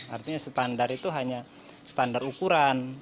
artinya standar itu hanya standar ukuran